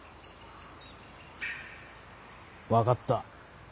分かった。